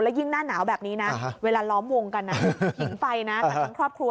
ยิ่งหน้าหนาวแบบนี้นะเวลาล้อมวงกันนะหญิงไฟนะกันทั้งครอบครัว